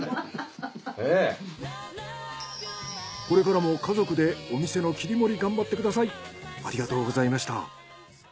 これからも家族でお店の切り盛り頑張ってください。